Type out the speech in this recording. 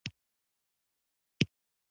د دې خوړو ټولول د نیاندرتالانو اصلي خواړه وو.